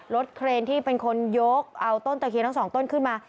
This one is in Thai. เครนที่เป็นคนยกเอาต้นตะเคียนทั้งสองต้นขึ้นมา